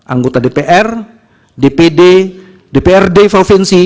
anggota dpr dpd dprd provinsi